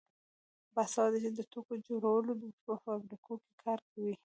باسواده ښځې د ټوکر جوړولو په فابریکو کې کار کوي.